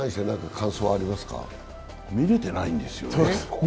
お相撲見れてないんですよね